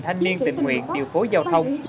thanh niên tình nguyện điều phối giao thông